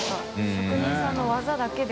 職人さんの技だけで。